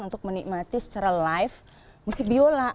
untuk menikmati secara live musik biola